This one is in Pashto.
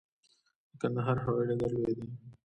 د کندهار هوايي ډګر لوی دی